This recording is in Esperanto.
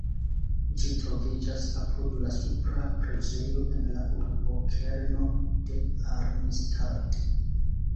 Ĝi troviĝas apud la Supra preĝejo en la urbokerno de Arnstadt.